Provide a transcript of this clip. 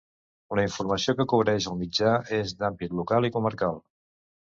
La informació que cobreix el mitjà és d'àmbit local i comarcal.